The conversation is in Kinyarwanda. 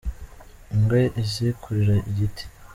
Ingwe izi kurira igiti.